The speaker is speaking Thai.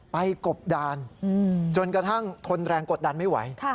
กบดานจนกระทั่งทนแรงกดดันไม่ไหว